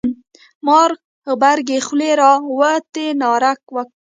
مار غبرگې خولې را وتې ناره وکړه.